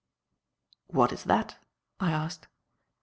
"What is that?" I asked.